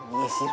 iya sih rona